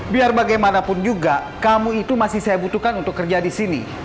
biar bagaimanapun juga kamu itu masih saya butuhkan untuk kerja di sini